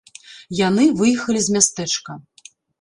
Яны выехалі з мястэчка.